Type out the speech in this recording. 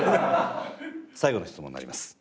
最後の質問になります。